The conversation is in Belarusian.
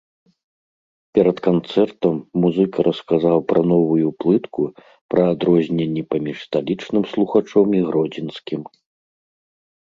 Перад канцэртам музыка расказаў пра новую плытку, пра адрозненні паміж сталічным слухачом і гродзенскім.